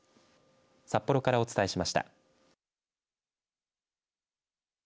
札幌からお伝えしました。